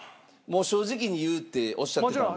正直に言うっておっしゃってたんで。